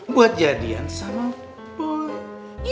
buat jadian sama boy